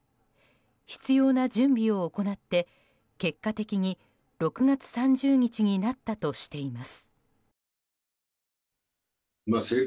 必要な準備を行って結果的に６月３０日になったとしています。